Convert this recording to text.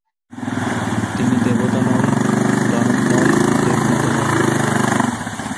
তিনি দেবতা নন, দানব নন, দেবদূতও নন।